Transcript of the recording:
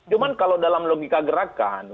cuma kalau dalam logika gerakan